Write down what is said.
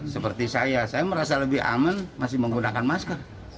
seperti saya saya merasa lebih aman masih menggunakan masker